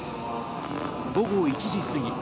午後１時過ぎ